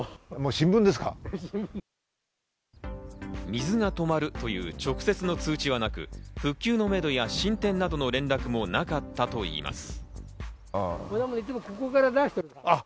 水が止まるという直接の通知はなく、復旧のめどや進展などの連絡もなかったといいます。